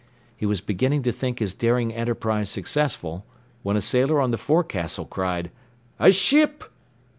He was beginning to think his daring enterprise successful, when a sailor on the forecastle cried: "A ship!"